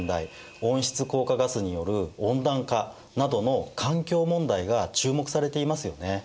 温室効果ガスによる温暖化などの環境問題が注目されていますよね。